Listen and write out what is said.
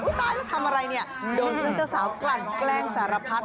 ตายแล้วทำอะไรเนี่ยโดนเพื่อนเจ้าสาวกลั่นแกล้งสารพัด